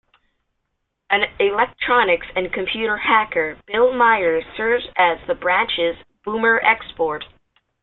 An electronics and computer hacker, Bill Myers serves as the Branch's Boomer expert.